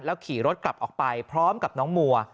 ขี่รถกลับออกไปพร้อมกับน้องมัว